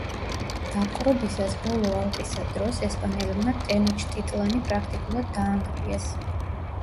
დაპყრობისას, ბოლო ალყისა დროს, ესპანელებმა ტენოჩტიტლანი პრაქტიკულად დაანგრიეს.